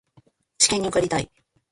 試験に受かりたい